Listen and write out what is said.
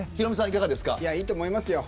いいと思いますよ。